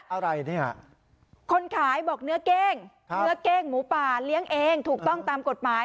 อะไรเนี่ยคนขายบอกเนื้อเก้งเนื้อเก้งหมูป่าเลี้ยงเองถูกต้องตามกฎหมาย